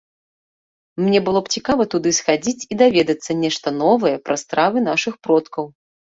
Мне было б цікава туды схадзіць і даведацца нешта новае пра стравы нашых продкаў.